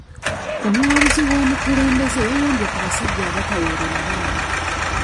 Omuwabuzi w'omukulembeze yayombye ku basajja abataweerera baana.